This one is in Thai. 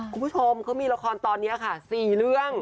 คุณผู้ชมเขามีละครตอนนี้ค่ะ๔เรื่อง